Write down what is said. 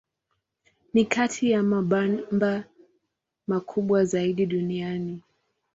Ni kati ya mabamba makubwa zaidi duniani.